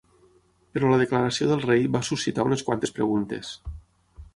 Però la declaració del rei va suscitar unes quantes preguntes.